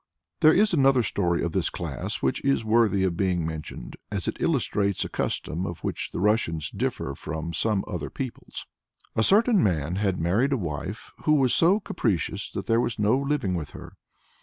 " There is another story of this class which is worthy of being mentioned, as it illustrates a custom in which the Russians differ from some other peoples. A certain man had married a wife who was so capricious that there was no living with her.